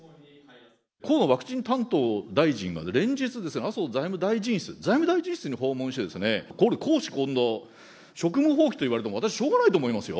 河野ワクチン担当大臣が連日ですね、麻生財務大臣室、財務大臣室に訪問してですね、これ、公私混同、職務放棄といわれても、私、しょうがないと思いますよ。